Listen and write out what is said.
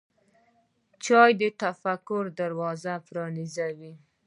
چای د تفکر دروازه پرانیزي.